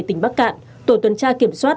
tỉnh bắc cạn tổ tuần tra kiểm soát